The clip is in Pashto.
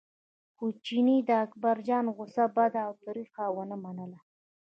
خو چیني د اکبرجان غوسه بده او تریخه ونه منله.